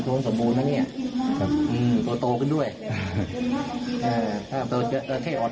พอดีพอยินดีไปขายครับ